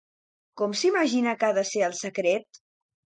Com s'imagina que ha de ser el secret?